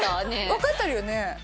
わかってるよね？